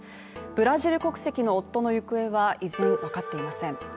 ブラジル国籍の夫の行方は依然、分かっていません。